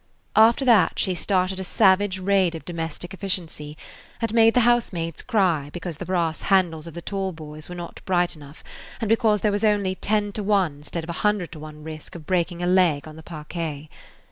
After [Page 42] that she started a savage raid of domestic efficiency, and made the housemaids cry because the brass handles of the tall boys were not bright enough and because there was only ten to one instead of a hundred to one risk of breaking a leg on the parquet.